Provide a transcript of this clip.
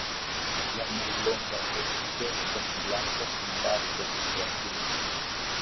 La mallonga vosto estas blanka kun larĝa nigra pinto.